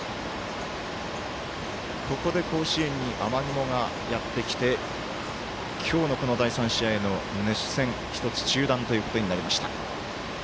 ここで甲子園に雨雲がやってきて今日のこの第３試合の熱戦１つ中断ということになりました。